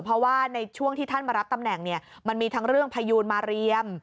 เพราะว่าในช่วงที่ท่านมารับตำแหน่งเนี่ย